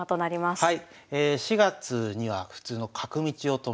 はい。